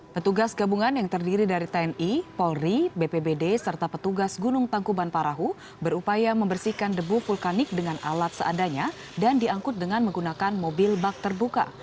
petugas gabungan yang terdiri dari tni polri bpbd serta petugas gunung tangkuban parahu berupaya membersihkan debu vulkanik dengan alat seadanya dan diangkut dengan menggunakan mobil bak terbuka